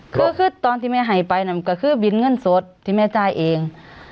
คือคือตอนที่แม่ให้ไปนั่นก็คือบินเงินสดที่แม่จ่ายเอง